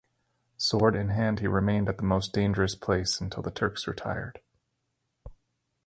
Sword in hand, he remained at the most dangerous place until the Turks retired.